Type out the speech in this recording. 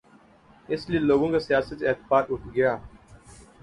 اس لیے لوگوں کا سیاست سے اعتبار اٹھ گیا۔